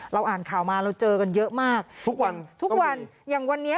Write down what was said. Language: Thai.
อ่านข่าวมาเราเจอกันเยอะมากทุกวันทุกวันอย่างวันนี้